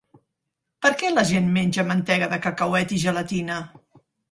Per què la gent menja mantega de cacauet i gelatina?